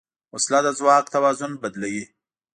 وسله د ځواک توازن بدلوي